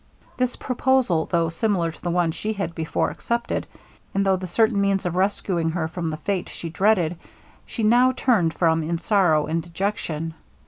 This proposal, though similar to the one she had before accepted; and though the certain means of rescuing her from the fate she dreaded, she now turned from in sorrow and dejection.